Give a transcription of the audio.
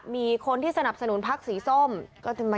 มีคนที่สนับสนุนพักสีส้ม